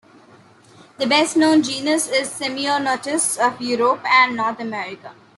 The best-known genus is "Semionotus" of Europe and North America.